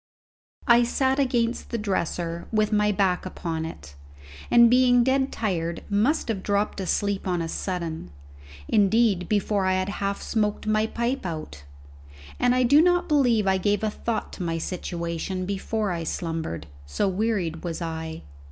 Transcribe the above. I sat against the dresser with my back upon it, and being dead tired must have dropped asleep on a sudden indeed, before I had half smoked my pipe out, and I do not believe I gave a thought to my situation before I slumbered, so wearied was I.